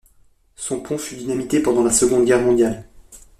Son pont fut dynamité pendant la Seconde Guerre mondiale.